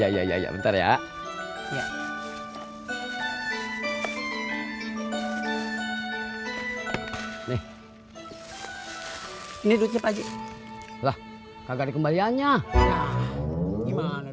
iya iya iya bentar ya nih ini duitnya pakji lah kagak dikembaliannya gimana